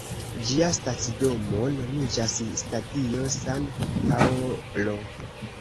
Ĝia stadiono nomiĝas "Stadio San Paolo".